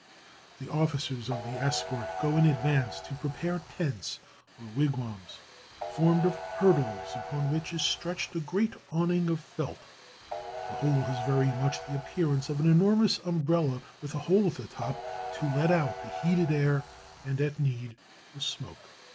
The officers of the escort go in advance to prepare tents or wigwams formed of hurdles, upon which is stretched a great awning of felt; the whole has very much the appearance of an enormous umbrella, with a hole at the top, to let out the heated air, and at need the smoke.